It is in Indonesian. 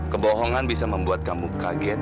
kebohongan bisa membuat kamu kaget